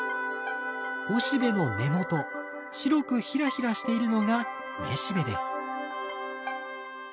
おしべの根元白くヒラヒラしているのがめしべです。